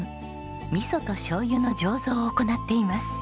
味噌と醤油の醸造を行っています。